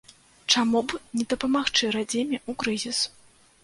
Чаму б не дапамагчы радзіме ў крызіс.